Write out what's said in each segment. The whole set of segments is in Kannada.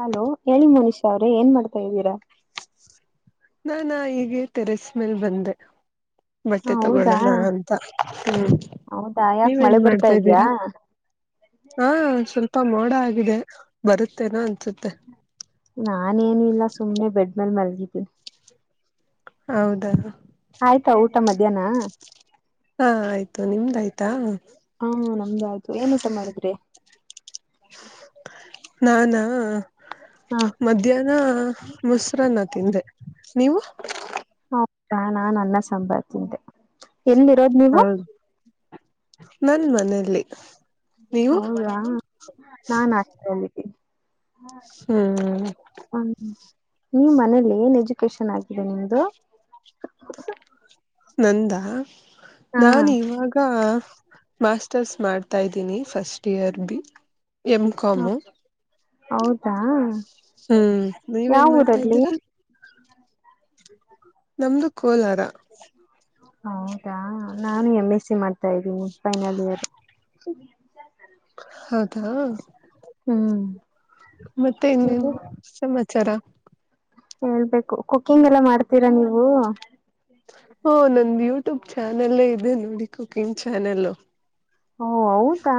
ಹಲೋ ಹೇಳಿ ಮುನೀಶಾ ಅವ್ರೆ ಏನ್ ಮಾಡ್ತಾ ಇದ್ದೀರಾ ನಾನಾ ಇಗ ಟೆರೆಸ ಮೆಲ್ ಬಂದೆ ಹ ಬಟ್ಟೆ ಹೌದಾ ತಗೊಳೋಣ ಅಂತ, ಹ್ಮ್, ಹೌದಾ ಯಾಕ ಮಳೆ ನೀವೇನ್ ಬರ್ತಾ ಮಾಡ್ತಾ ಇದ್ಯಾ ಇದೀರಾ? [inaudible] ಹಾ ಸ್ವಲ್ಪ ಮೋಡ ಆಗಿದೆ, ಬರುತ್ತೇನೋ ಅನ್ಸುತ್ತೆ. ನಾನೇನು ಇಲ್ಲ ಸುಮ್ಮ್ನೆ ಬೆಡ್ ಮೇಲೆ ಮಲ್ಗಿದ್ದೀನಿ. ಹೌದಾ? ಆಯ್ತಾ ಊಟಾ ಮಧ್ಯಾಹ್ನ? ಹಾ ಆಯ್ತು ನಿಮ್ದಾಯ್ತಾ? ಹಾ ನಮ್ದ ಆಯ್ತು, ಏನ್ ಊಟ ಮಾಡಿದ್ರಿ? ನಾನಾ? ಹಾ ಮಧ್ಯಾಹ್ನ ಮೊಸರನ್ನ ತಿಂದೆ, ನೀವು? ಹೌದಾ ನಾನು ಅನ್ನ ಸಾಂಬಾರು ತಿಂದ್ದೆ ಹೌದು ನನ್ ಮನೆಯಲ್ಲಿ ಹೌದಾ ನಾನು ಹಾಸ್ಟೆಲ್ ಅಲ್ಲಿದೀನಿ ಹ್ಮ್ ಹ ನೀ ಮನೇಲಿ ಏನ್ ಎಜುಕೇಶನ್ ಆಗಿದೆ ನಿಮ್ದು? ನಂದಾ ಹಾ ನಾನ ಇವಾಗ ಮಾಸ್ಟರ್ಸ್ ಮಾಡ್ತಾ ಇದ್ದೀನಿ first year B M com ಹೌದಾ ಹ್ಮ್ ಯಾವ ನೀವೇನ್ ಮಾಡ್ತಾ ಊರಲ್ಲಿ ಇದ್ದೀರಾ ನಮ್ದು ಕೋಲಾರಾ ಹೌದಾ ನಾನು ಎಮ್ ಎಸ್ ಸಿ ಮಾಡ್ತಾ ಇದ್ದೀನಿ ಫೈನಲ್ ಇಯರ್ ಹೌದಾ ಹ್ಮ್ ಮತ್ತೆ ಇನ್ನೇನು ಸಮಾಚಾರ? ಹೇಳ್ಬೇಕು, ಕುಕ್ಕಿಂಗ್ ಎಲ್ಲಾ ಮಾಡ್ತೀರಾ ನೀವು? ಓಹ್ ನಂದು ಯೂಟ್ಯೂಬ್ ಚಾನೆಲ್ ಇದೆ ನೋಡಿ ಕುಕಿಂಗ್ ಚಾನೆಲ್. ಓ ಹೌದಾ,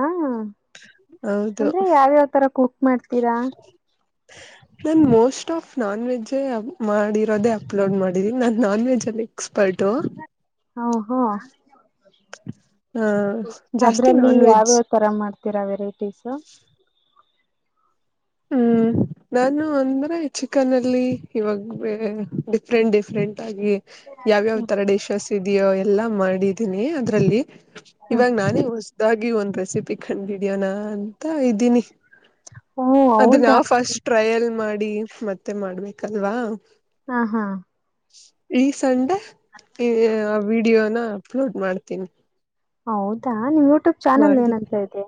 ಹೌದು ಅಂದ್ರೆ ಯಾವ್ಯಾವ್ ತರ ಕುಕ್ ಮಾಡ್ತೀರಾ? [inaudible] ನಾನು ಮೋಸ್ಟ್ ಆಫ್ ನಾನ್ ವೆಜ್ಜೆ ಮಾಡಿರೋದೇ ಅಪ್ಲೋಡ್ ಮಾಡಿದ್ದೀನಿ. ನಾನು ನಾನ್ ವೆಜ್ಜಲ್ಲಿ. ಎಕ್ಸ್ಪೇರ್ಟು. ಹ ಓಹೋ ಹ ಜಾಸ್ತಿ ಅದ್ರಲ್ಲಿ ನಾನ್ ವೆಜ್ ಯಾವ್ಯಾವ ತರ ಮಾಡ್ತೀರಾ ವೆರೈಟೀಸು ಹ್ಮ್ [inaudible] ನಾನು ಅಂದ್ರೆ ಚಿಕನ್ ಅಲ್ಲಿ ಇವಾಗ ಬೇರೆ ಡಿಫ್ರೆಂಟ್ ಡಿಫ್ರೆಂಟ್ ಆಗಿ ಯಾವ್ಯಾವ್ ತರ ಡಿಶಸ್ ಇದೆಯೋ ಎಲ್ಲಾ ಮಾಡಿದ್ದೀನಿ ಅದ್ರಲ್ಲಿ ಇವಾಗ ನಾನೇ ಹೊಸದಾಗಿ ಒಂದ್ ರೆಸಿಪಿ ಕಂಡ್ ಹಿಡ್ಯನಾ ಅಂತ ಇದ್ದೀನಿ ಓ ಅದ ಹೌದಾ ನಾವು ಫಸ್ಟ್ ಟ್ರಯಲ್ ಮಾಡಿ ಮತ್ತೆ ಮಾಡ್ಬೇಕಲ್ವಾ ಹಾ ಹಾ ಈ ಸಂಡೆ ಆ ವಿಡಿಯೋನ ಅಪ್ಲೋಡ್ ಮಾಡ್ತೀನಿ ಹೌದಾ ನಿಮ್ ಯೂಟ್ಯೂಬ್ ಚಾನಲ್ ಮಾಡಿ ಏನಂತ ಇದೆ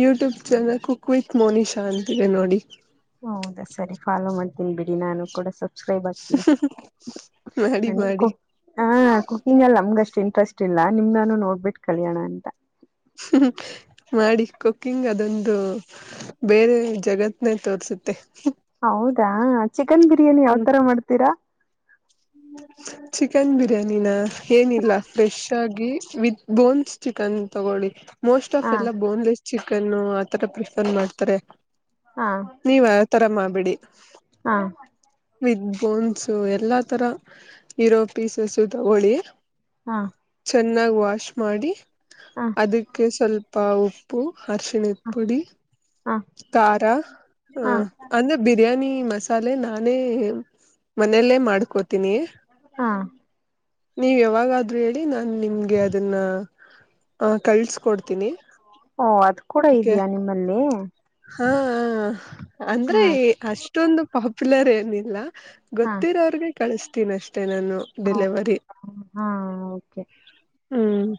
ಯೂಟ್ಯೂಬ್ ಚಾನಲ್ ಕುಕ್ವಿತ್ ಮೋನಿಶಾ ಅಂತಿದೆ ನೋಡಿ. ಹೌದಾ ಸರಿ ಫಾಲೋ ಮಾಡ್ತೀನಿ ಬಿಡಿ ನಾನು ಕೂಡ ಸ ಸಬ್ಕ್ರೈಬ್ ಆಗ್ತೀಯ ಮಾಡಿ ನನಿಗ್ ಮಾಡಿ ಕು ಹಾ ಕುಕಿಂಗ್ ಅಲ್ಲಿ ನಮ್ಗ್ ಅಷ್ಟ್ ಇಂಟ್ರೆಸ್ಟ್ ಇಲ್ಲ ನಿಮ್ನಾನು ನೋಡ್ಬಿಟ್ಟು ಕಲ್ಯೋಣ ಅಂತ. ಹ್ಮಂ ಮಾಡಿ ಕುಕ್ಕಿಂಗ್ ಅದೊಂದು ಬೇರೆ ಜಗತ್ನೇ ತೋರ್ಸುತ್ತೆ. ಹೌದಾ ಚಿಕನ್ ಬಿರಿಯಾನಿ ಹ್ಮ್ ಯಾವ್ತರ ಮಾಡ್ತೀರಾ? ಚಿಕನ್ ಬಿರಿಯಾನಿನ ಏನಿಲ್ಲ ಫ್ರೆಶ್ ಆಗಿ ವಿತ್ ಬೋನ್ಸ್ ಚಿಕನ್ ತಗೊಳ್ಳಿ. ಮೋಸ್ಟ್ ಹ ಆಫ್ ಎಲ್ಲ ಬೋನ್ಲೆಸ್ ಚಿಕನ್ನು ಆತರ ಪ್ರಿಫರ್ ಮಾಡ್ತಾರೆ. ಹಾ ನೀವ ಆ ತರ ಮಾಡ್ಬೇಡಿ. ಹಾ ವಿತ್ ಬೋನ್ಸು ಎಲ್ಲಾ ತರ ಇರೋ ಪೀಸಸ್ಸು ತಗೊಳ್ಳಿ. ಹಾ ಚೆನ್ನಾಗ್ ವಾಶ್ ಮಾಡಿ ಹಾ ಅದಕ್ಕೆ ಸ್ವಲ್ಪ ಉಪ್ಪು ಅರ್ಶಣ ಹ ಪುಡಿ ತಖಾರ ಹ ಹಾ ಅಂದ್ರೆ ಬಿರಿಯಾನಿ ಮಸಾಲೆ ನಾನೇ ಮನೆಲ್ಲೇ ಮಾಡ್ಕೋತೀನಿ. ಹಾ ನೀವು ಯಾವಾಗಾದ್ರೂ ಹೇಳಿ ನಾನು ನಿಮ್ಗೆ ಅದನ್ನ ಹಾ ಕಳ್ಸಕೊಡ್ತೀನಿ. ಓ ಅದು ಕೂಡ ಇದ್ಯಾಾ ನಿಮ್ಮಲ್ಲಿ. ಹಾ ಅಂದ್ರೆ ಹಾ ಅಷ್ಟೊಂದು ಪಾಪ್ಯುಲರ್ ಏನಿಲ್ಲ. ಹಾ ಗೊತ್ತಿರೋರ್ಗೆ ಕಳಿಸ್ತೀನ್ ಅಷ್ಟೇ ನಾನು ಹಾ ಡೆಲಿವರಿ. ಹಾ ಓಕೆ ಹ್ಮ್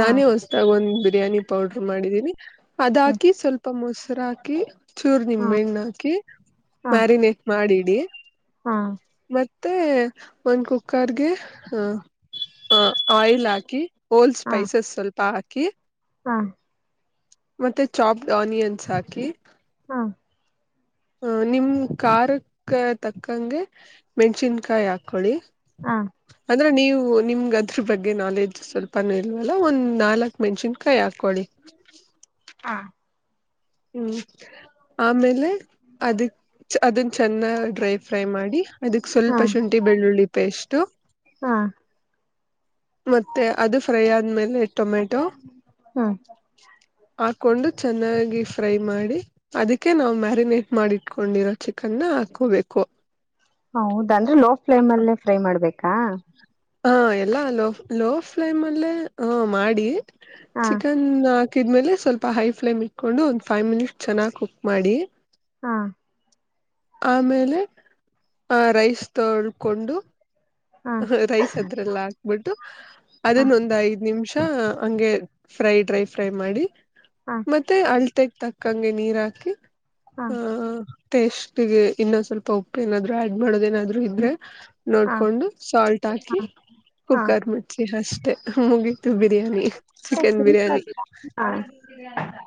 ಹಾ ಹೊಸ್ದಾಗ್ ಒಂದ್ ಬಿರಿಯಾನಿ ಪೌಡ್ರು ಮಾಡಿದ್ದೀನಿ. ಅದ್ ಹಾ ಹಾಕಿ ಸ್ವಲ್ಪ ಮೊಸರು ಹಾಕಿ. ಚೂರ್ ನಿಂಬೆಣ್ಣು ಹಾಕಿ ಹಾ ಮ್ಯಾರಿನೇಟ್ ಮಾಡಿಡಿ ಹಾ ಮ ತ್ತೆ ಒಂದ್ ಕುಕ್ಕರ್ಗೆ ಅ ಆಯಿಲ್ ಹಾಕಿ. ವೋಲ್ ಹಾ ಸ್ಪೈಸಸ್ ಸ್ವಲ್ಪ ಹಾಕಿ. ಹಾ ಮತ್ತೆ ಚಾಪ್ಡ್ ಆನಿಯನ್ಸ್ ಹಾಕಿ. ಹಾ ಹ ನಿಮ್ ಖರಕ್ಕೆ ತಕ್ಕಂಗೆ ಮೆಣ್ಸಿನ್ಕಾಯಿ ಹಾಕೊಳ್ಳಿ. ಹಾ ಅಂದ್ರೆ ನೀವು ನಿಮಗದ್ರ ಬಗ್ಗೆ ನಾಲೆಜ್ ಸ್ವಲ್ಪನೂ ಇಲ್ವಲ್ಲ ಒಂದ್ ನಾಲ್ಕ್ ಮೆಣಸನ್ಕಾಯಿ ಹಾಕೊಳ್ಳಿ. ಹಾ ಹ್ಮ್ ಆಮೇಲೆ ಅದಕ್ ಅದನ್ ಚೆನ್ನಾಗ್ ಡ್ರೈ ಫ್ರೈ ಮಾಡಿ ಅದಕ್ ಹಾ ಸ್ವಲ್ಪ ಶುಂಠಿ ಬೆಳ್ಳುಳ್ಳಿ ಪೇಸ್ಟು. ಹಾ ಮತ್ತೆ ಅದು ಫ್ರೈ ಆದ್ಮೇಲೆ ಟೊಮೆಟೊ. ಹ್ಮ್ ಹಾಕೊಂಡು ಚೆನ್ನಾಗಿ ಫ್ರೈ ಮಾಡಿ ಅದಕ್ಕೆ ನಾವ್ ಮ್ಯಾರಿನೇಟ್ ಮಾಡಿ ಇಟ್ಕೊಂಡಿರೋ ಚಿಕನ್ ನ ಹಾಕೋಬೇಕು. ಹೌದ ಅಂದ್ರೆ ಲೋ ಫ್ಲೇಮ್ ಅಲ್ಲೇ ಫ್ರೈ ಮಾಡ್ಬೇಕಾ. ಹಾ ಎಲ್ಲಾ ಲೋ ಲೋ ಫ್ಲೇಮ್ ಅಲ್ಲೇ ಹ ಮಾಡಿ ಹಾ ಚಿಕನ್ ಕ್ಕಿದ್ಮೇಲೆ ಸ್ವಲ್ಪ ಹೈ ಫ್ಲೇಮ್ ಇಟ್ಕೊಂಡು ಒಂದು ಫೈವ್ ಮಿನಿಟ್ಸ್ ಚೆನ್ನಾಗಿ ಕುಕ್ ಮಾಡಿ. ಹಾ ಆಮೇಲೆ ಆ ರೈಸ್ ತೊಳ್ಕೊಂಡು. ಹಾ ರೈಸ್ ಅದ್ರಲ್ಲ ಹಾಕ್ಬಿಟ್ಟು ಹಾ ಅದನ್ನ ಒಂದ ಐದ್ ನಿಮಿಷ. ಹ ಹಂಗೆ ಫ್ರೈ ಡ್ರೈ ಫ್ರೈ ಮಾಡಿ ಹಾ ಮತ್ತೆ ಅಳತೆ ತಕ್ ಕಂಗೆ ನೀರ್ ಹಾಕಿ ಹಾ ಹ. ಟೆಸ್ಟ್ಗೆ ಇನ್ನೊಂದ್ ಸ್ವಲ್ಪ ಉಪ್ಪು ಏನಾದ್ರು ಆಡ್ ಮಾಡೋದ ಏನಾದ್ರು ಇದ್ರೆ ಹಾ ಹಾ ನೋಡ್ಕೊಂಡು. ಸಾಲ್ಟ್ ಹಾಕಿ ಹಾ ಕುಕ್ಕರ್ ಮುಚ್ಚಿ ಅಷ್ಟೇ ಮುಗಿ ತು ಬಿರಿಯಾನಿ ಮತ್ತೆ ಚಿಕನ್ ಬಿರಿಯಾನಿ. ಸಿಂಪಲ್ ಹಾ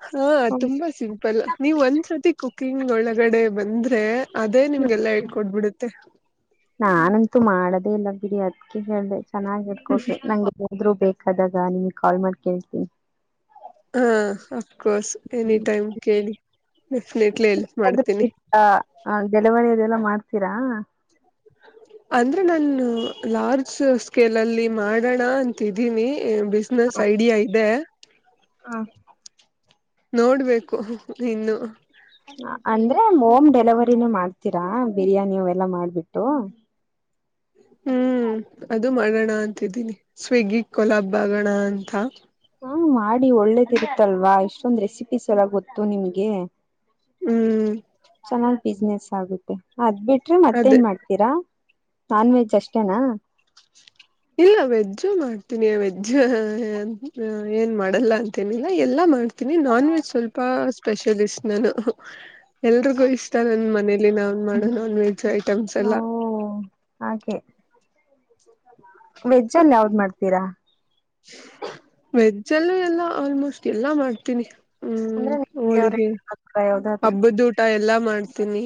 ಹಾ ತುಂಬಾ ಸಿಂಪಲ್ ನೀವ್ ಒಂದ್ಸತಿ ಕುಕಿಂಗ್ ಒಳಗಡೆ ಬಂದ್ರೆ. ಅದೇ ನಿಮ್ಗೆಲ್ಲಾ ಹೇಳ್ಕೊಟ್ಬಿಡುತ್ತೆ. ನಾನಂತೂ ಮಾಡದೇ ಇಲ್ಲ ಬಿಡಿ ಅದ್ಕ ಹೇಳ್ದೆ ಚೆನ್ನಾಗಿ ಹೇಳ್ಡ್ಕೊಟ್ರಿ ನಂಗೆ. ಹದ್ರು ಬೇಕಾದಾಗ ನಿಮ್ಗೆ ಕಾಲ್ ಮಾಡಿ ಕೇಳ್ತೀನಿ. ಹಾ ಅಫ್ಕೋರ್ಸ್ ಎನಿ ಟೈಮ್ ಕೇಳಿ ಡೆಫಿನೆಟ್ಲಿ ಎಲ್ಪ್ ಮಾಡ್ತೀನಿ. ಹ ಡೆಲವರಿ ಅದೆಲ್ಲ ಮಾಡ್ತೀರಾ. ಅಂದ್ರೆ ನಾನು ಲಾರ್ಜ್ ಸ್ಕೇಲ್ ಅಲ್ಲಿ ಮಾಡೋಣ ಅ ತಿದ್ದೀನಿ ಬಿಸ್ನೆಸ್ ಐಡಿಯಾ ಇದೆ. ಹಾ ನೋಡ್ಬೇಕು ಇನ್ನು. ಅಂದ್ರೆ ಹೋಮ್ ಡೆಲಿವರಿನೇ ಮಾಡ್ತೀರಾ ಬಿರಿಯಾನಿ ಎಲ್ಲಾ ಮಾಡ್ಬಿಟ್ಟು. ಹ್ಮ್ ಅದು ಮಾಡೋಣ ಅಂತಿದ್ದೀನಿ ಸ್ವಿಗ್ಗಿ ಕೊಲಾಬ್ ಆಗೋಣ ಅಂತ. ಹಾ ಮಾಡಿ ಒಳ್ಳೇದಿ ಇರುತ್ತಲ್ವಾ ಇಷ್ಟೊಂದ್ ರೆಸಿಪೀಸ್ ಎಲ್ಲ ಗೊತ್ತು ನಿಮ್ಗೆ. ಹ್ಮ್ ಚೆನ್ನಾಗ್ ಬಿಸ್ನನೆಸ್ ಆಗುತ್ತೆ ಅದ್ ಬಿಟ್ರೆ ಅದೇ ಮತ್ತೇನ್ ಮಾಡ್ತ ರಾ ನಾನ್ ವೆಜ್ ಅಷ್ಟೇನಾ. ಇಲ್ಲ ವೆಜ್ಜು ಮಾಡ್ತೀನಿ ವೆಜ್ಜ್ ಏನ್ ಮಾಡಲ್ಲ ಅಂತೇನಿಲ್ಲ ಎಲ್ಲ ಮಾಡ್ ನಿ ನಾನ್ ವೆಜ್ ಸ್ವಲ್ಪ. ಸ್ಪೆಷಲಿಸ್ಟ್ ನಾನು ಎಲ್ರಿಗೂ ಇಷ್ಟ ನನ್ ಮನೇಲಿ ನಾನ್ ಮಾಡೋ ನಾನ್ ವೆಜ್. ಐಟಮ್ಸ್ ಓ ಎಲ್ಲ. ಹಾಗೆ ವೆಜ್ಜ ಅಲ್ಲಿ ಯಾವ್ದ್ ಮಾಡ್ತೀರಾ. ವೆಜ್ಜ ಅಲ್ಲೂ ಎಲ್ಲಾ ಆಲ್ಮೋಸ್ಟ್ ಎಲ್ಲಾ ಮಾಡ್ತೀನಿ. ಹ್ಮ್ ಅಂದ್ರೆ ಹೋಳಿಗೆ ಫೇವ್ರೇಟ್ ಯಾವ್ದಾದ್ರು ಹಬ್ಬದಊಟ ಎಲ್ಲಾ ಮಾಡ್ತೀನಿ.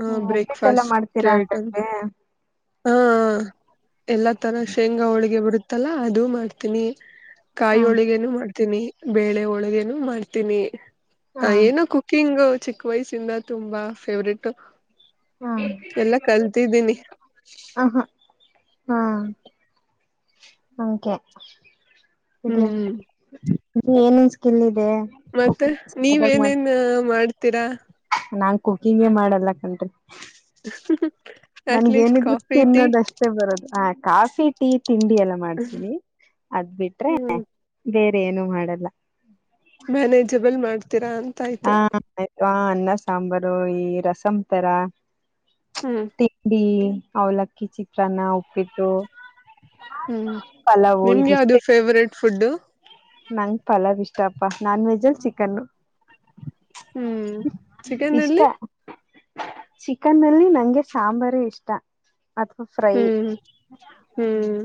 ಹ ಒಬ್ಬಿಟ್ಟೆಲ್ಲ ಬ್ರೇಕ್ಫಾಸ್ಟ್ ಮಾಡ್ತೀರಾ ಐಟಮ್. ಅಂತಂದ್ರೆ ಹಾ ಎಲ್ಲಾ ತರ ಶೇಂಗಾ ಹೋಳಿಗೆ ಬರುತ್ತಲ್ಲ ಅದು ಮಾಡ್ತೀನಿ. ಕಾಯಿ ಹ ಹೋಳಿಗೇನು ಮಾಡ್ತೀನಿ ಬೇಳೆ ಹೋಳಿಗೇನು ಮಾಡ್ತೀನಿ. ಹ ಏನೋ ಕುಕ್ಕಿಂಗ್ ಚಿಕ್ಕ ವಯಸಿಂದ ತುಂಬಾ ಫೇವ್ರೇಟ್. ಹಾ ಎಲ್ಲಾ ಕಲ್ತಿದ್ದೀನಿ ಹಹಾ ಹಾ. ಹಾಗೆ ಹ್ಮ್ ಇನ್ನು ಏನೇನ್ ಸ್ಕಿಲ್ ಇದೆ. ಮತ್ತೆ ಕುಕಿಂಗ್ ಮಾಡ ನೀವೇನೇನ್ ಮಾಡ್ತೀರಾ. ನಾನ್ ಕುಕಿಂಗೇ ಮಾಡಲ್ಲ ಕಣ್ರಿ. ಅಟ್ಲೀಸ್ಟ್ ನನ್ಗೇನಿದ್ರು ಕಾಫಿ ಟೀ ತಿನ್ನೋದಷ್ ಅಷ್ಟೇ ಬರೋದು ಹ ಕಾಫಿ ಟೀ ತಿಂಡಿ ಎಲ್ಲ ಮಾಡ್ತೀವಿ ಅದ್ ಬಿಟ್ರೆ. ಹ್ಮ್ ಬೇರೆನು ಮಾಡಲ್ಲ. ಮ್ಯಾನೇಜಬಲ್ ಮಾಡ್ತೀರಾ. ಆಯ್ತು ಹಾ ಹ ಅನ್ನ ಸಾಂಬಾರು ಈ ರಸಂ ತರ. ಹ್ಮ್ ತಿಂಡಿ ಅವಲಕ್ಕಿ ಚಿತ್ರಾನ್ನ ಉಪ್ಪಿಟ್ಟು. ಹ್ಮ್ ಪಲಾವು ನಿಮ್ಗೆಯಾವ್ದು ಫೇವ್ರೇಟ್ ಫುಡ್ಡು. ನನಗ ಪಲಾವ್ ಇಷ್ಟಪ್ಪಾ ನಾನ್ ವೆಜ್ ಅಲ್ಲಿ ಚಿಕನು ಹ್ಮ್ ಚಿಕನ್ ಇಷ್ಟ ಅಲ್ಲಿ ಚಿಕನ್ ಲ್ಲಿ ನಂಗೆ ಸಾಂಬಾರ ಇಷ್ಟ ಅಥವಾ ಫ್ರೈ ಹ್ಮ್ ಹ್ಮ್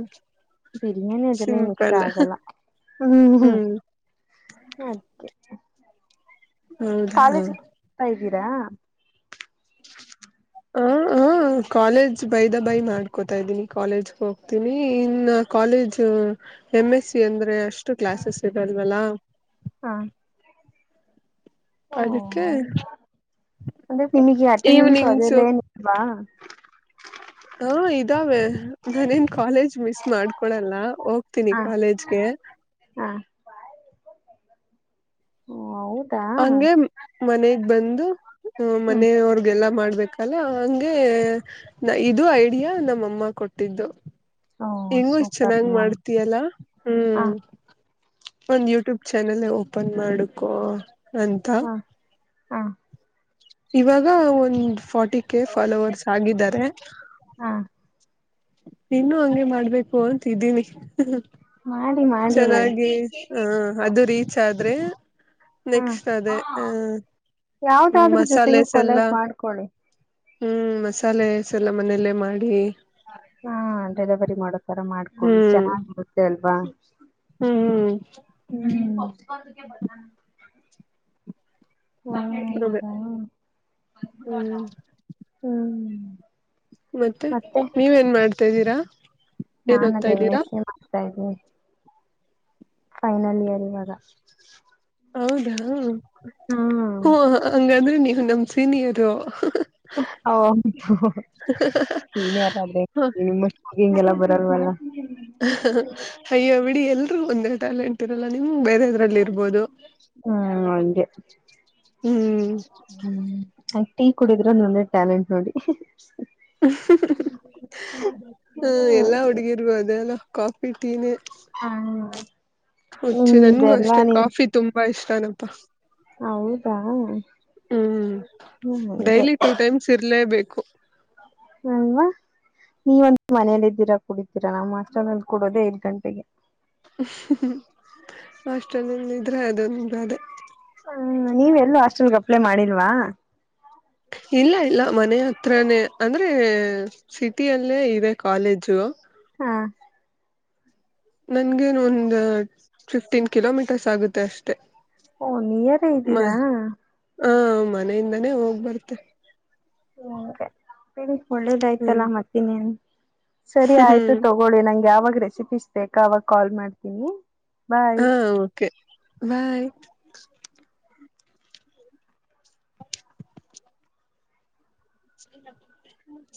ಬಿರಿಯಾನಿ ಅದೆಲ್ಲ ಏನ ಇಷ್ಟಾ ಸಿಂಪಲ್ ಆಗಲ್ಲ ಹ್ಮ್ ಅದಕ್ಕೆ ಹೌದಾ ಕಾಲೇಜ್ [unintelligible] ಇದ್ದೀರಾ ಹ ಹ ಕಾಲೇಜ್ ಬೈದ ಬೈ ಮಾಡ್ಕೋತಾ ಇದ್ದೀನಿ ಕಾಲೇಜ್ಗೆ ಹೋಗ್ತೀನಿ ಇನ್ನು ಕಾಲೇಜ್ ಎಂ ಎಸ್ ಸಿ ಅಂದ್ರೆ ಅಷ್ಟು ಕ್ಲಾಸಸ್ ಇರಲ್ವಲ್ಲಾ ಓಂ ಅದಕ್ಕೆ ಹೌದಾ ಅಂದ ಇ ಅಟೆಂಡನ್ಸ್ ಈವ್ನಿಂಗ್ಸು ಅದೆನಲ್ಲಾ ಇಲ್ವಾ ಓ ಇದಾವೆ ನಾನೇನ್ ಕಾಲೇಜ್ ಮಿಸ್ ಮಾಡ್ಕೊಳಲ್ಲ ಹೋಗ್ತೀನಿ ಹಾ ಕಾಲೇಜ್ಗೆ ಹಾ ಓ ಹೌದಾ ಹಂಗೆ ಮನೆಗ್ ಬಂದು ಹ್ಮ್ ಮನೆಯವ್ರಗೆಲ್ಲ ಮಾಡ್ಬೇಕಲ್ಲ ಹಂಗೆ ನ ಇದು ಐಡಿಯಾ ನಮ್ಮಮ್ಮ ಕೊಟ್ಟಿದ್ದು ಓ ಹೆಂಗು ಇಷ್ಟ ಸೂಪರ್ ಚೆನ್ನಾಗ್ ನಿಮ್ಮ ಮಾಡ್ತಿಯಲ್ಲ ಹಾ ಹ್ಮ್ ಒಂದ್ ಯೂಟ್ಯೂಬ್ ಚಾನೆಲ್ ಓಪನ್ ಮಾಡಕೊ ಅಂತ ಹಾ ಹಾ ಇವಾಗ ಒಂದ್ ಫೋರ್ಟಿ ಕೆ ಫಾಲೋವರ್ಸ್ ಆಗಿದ್ದಾರೆ ಹಾ ಇನ್ನು ಹಂಗೆ ಮಾಡ್ಬೇಕು ಅಂತಿದ್ದೀನಿ ಮಾಡಿ ಮಾಡಿ ಚೆನ್ನಾಗಿ ಹ ಅದು ರೀಚ್ ಆದ್ರೆ ಹಾ ನೆಕ್ಸ್ಟ್ ಅದೇ ಹ ಯಾವ್ದಾದ್ರೂ ಜೊತೆಗೂ ಮಸಾಲೆಸ್ ಕೊಲೆಗ್ ಎಲ್ಲಾ ಮಾಡ್ಕೊಳ್ಳಿ ಹ್ಮ್ ಮಸಾಲೆ ಸಲ್ಲಾ ಮನೆಯಲ್ಲೇ ಮಾಡಿ ಹಾ ಡೆಲಿವರಿ ಮಾಡೋಕರ ಮಾಡ್ಕೊಳ್ಳಿ ಹ್ಮ್ ಚೆನ್ನಾಗಿರುತ್ತೆ ಅಲ್ವಾ ಹ್ಮ್ [unintelligible] ಒ ಅದೇ ಹ್ಮ್ ಹ್ಮ್ [unintelligible] ಮತ್ತೆ ನೀವೇನ್ ಮಾಡ್ತಾಿದ್ದೀರಾ ನಾನ್ ಅದೇ ಎಮೆ ಸಿ ಮಾಡ್ತಾ ಇದೀನಿ ಫೈನಲ್ ಇಯರ್ ಇವಾಗ ಹೌದಾ ಹ ಹಂಗಾದ್ರೆ ನೀವು ನಮ ಸೀನಿಯರು ಓಂ ಸೀನಿಯರ್ [unintelligible] ಹ ನಿಮ್ಮ ಹಿಂಗೆಲ್ಲ ಬರಲ್ವಲ್ಲ ಅಯ್ಯೋ ಬಿಡಿ ಎಲ್ರೂ ಒಂದೇ ಟ್ಯಾಲೆಂಟ್ ಇರಲ್ಲ ನಿಮ್ ಬೇರೆದ್ರಲ್ಲಿ ಇರ್ಬೋದು ಹು ಅಂಗೇ ಹ್ಮ್ ಹ್ಮ್ ಆಕ್ಟಿ ಕುಡಿದ್ರೆ ನಂದೆ ಟ್ಯಾಲೆಂಟ್ ನೋಡಿ ಹ್ಮ ಎಲ್ಲಾ ಹುಡುಗಿರ ಅದೇ ಅಲ್ಲ ಕಾಫಿ ಟೀನೇ ಹ್ಮ್ಮ ಹಚ್ಚು ನನ್ಗೂ ಅಷ್ಟೆ ಕಾಫಿ ತುಂಬಾ ಇಷ್ಟ ಅನಪಾ ಹೌದಾ ಹ್ಮ್ ಅಂಗೇ ಸಿರ್ಲೇಬೇಕು ಅಲ್ವಾ ನೀವಂದು ಮನೇಲ್ಲ ಇದೀರಾ ಕುಡಿತೀರಾ ನಮ್ಮ್ ಹಾಸ್ಟೆಲ್ನಲ್ಲಿ ಕೊಡೋದೇ ಐದ್ ಗಂಟೆಗೆ ಹಾಸ್ಟೆಲ್ ನಲ್ಲಿ ಇದ್ರೆ ಅದೊಂದು ಅದೇ ಹ್ಮ ನೀವೆಲ್ಲೂ ಹಾಸ್ಟೆಲ್ಗೆ ಅಪ್ಲೇ ಮಾಡಿಲ್ವಾ ಇಲ್ಲ ಇಲ್ಲ ಮನೆ ಹತ್ರನೇ ಅಂದರೆ ಸಿಟಿಯಲ್ಲೇ ಇವೆ ಕಾಲೇಜು ಹಾ ನನ್ಗೇನು ಒಂದು ಫಿಫ್ಟೀನ್ ಕಿಲೋಮೀಟರ್ಸ್ ಆಗುತ್ತೆ ಅಷ್ಟೆ ಓ ನೀಯಾರೇ ಇದ್ದೀರಾ ಹಾ ಮನೆಯಿಂದಾನೇ ಹೋಗ್ ಬರ್ತೆೆ ಹ್ಮ ಹೇಳಿ ಹ್ಮ್ ಒಳ್ಳೇದಾಯ್ತಲ್ಲಾ ಮತ್ತನ್ನ್ ಸರಿ ಆಯ್ತು ಹ್ಮ್ ತಗ ಹೋಳ್ಳಿ ನಂಗೆ ಯಾವಾಗ ರೆಸಿಪಿಸಸ್ ಬೇಕಾ ಅವಾಗ ಕಾಲ್ ಮಾಡ್ತೀನಿ ಬಾಯ್ ಬಾಯ್ ಟ್